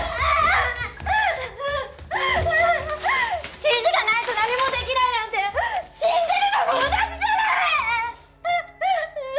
指示がないと何もできないなんて死んでるのも同じじゃない！